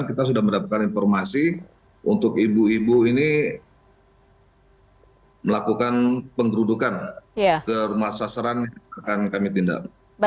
kita sudah mendapatkan informasi untuk ibu ibu ini melakukan penggerudukan ke rumah sasaran yang akan kami tindak